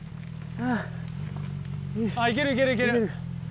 あっ行ける行ける行ける。